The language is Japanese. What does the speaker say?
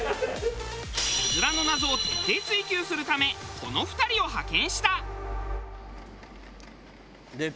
うずらの謎を徹底追求するためこの２人を派遣した。